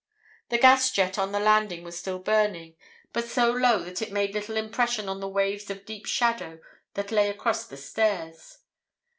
"The gas jet on the landing was still burning, but so low that it made little impression on the waves of deep shadow that lay across the stairs.